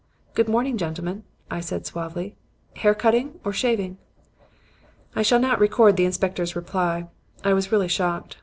"'Good morning, gentlemen,' I said suavely. 'Hair cutting or shaving?' "I shall not record the inspector's reply. I was really shocked.